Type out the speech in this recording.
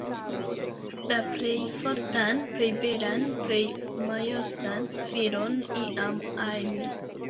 La plej fortan, plej belan, plej mojosan filon iam ajn